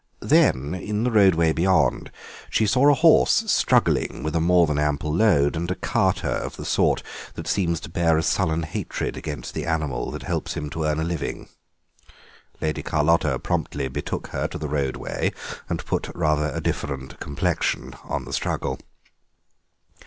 Then, in the roadway beyond, she saw a horse struggling with a more than ample load, and a carter of the sort that seems to bear a sullen hatred against the animal that helps him to earn a living. Lady Carlotta promptly betook her to the roadway, and put rather a different complexion on the struggle.